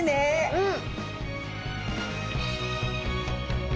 うん！